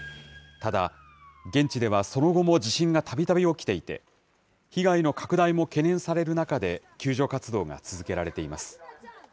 ただ、現地では、その後も地震がたびたび起きていて、被害の拡大も懸念される中で、救助活動が続けられています。